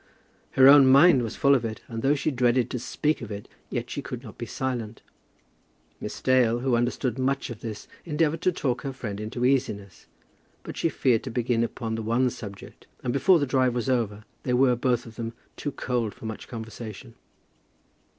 Her own mind was full of it, and though she dreaded to speak of it, yet she could not be silent. Miss Dale, who understood much of this, endeavoured to talk her friend into easiness; but she feared to begin upon the one subject, and before the drive was over they were, both of them, too cold for much conversation.